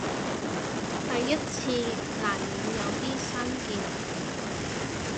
第一次難免有啲生澀